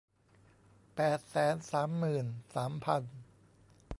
แปดแสนสามหมื่นสามพัน